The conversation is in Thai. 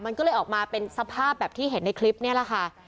มันก็เลยออกมาเป็นสภาพแบบที่เห็นในคลิปนี้แหละค่ะ